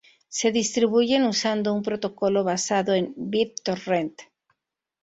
Se distribuyen usando un protocolo basado en BitTorrent.